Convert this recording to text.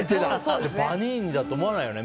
パニーニだと思わないよね。